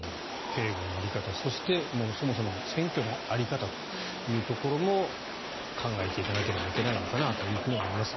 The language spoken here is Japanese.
警護の在り方そしてそもそもの選挙の在り方というところも考えていかなければいけないのかなと思います。